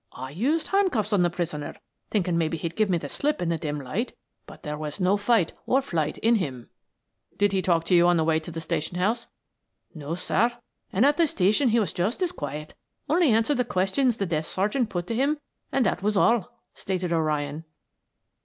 "I used handcuffs on the prisoner, thinking maybe he'd give me the slip in the dim light, but there was no fight or flight in him." "Did he talk to you on the way to the station house?" "No, sir; and at the station he was just as quiet, only answered the questions the desk sergeant put to him, and that was all," stated 0' Ryan.